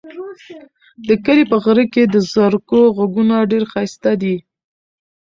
د کلي په غره کې د زرکو غږونه ډېر ښایسته دي.